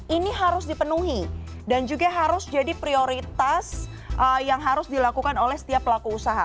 ini harus dipenuhi dan juga harus jadi prioritas yang harus dilakukan oleh setiap pelaku usaha